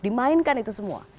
dimainkan itu semua